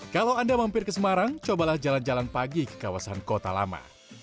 kalau anda mampir ke semarang cobalah jalan jalan pagi ke kawasan kota lama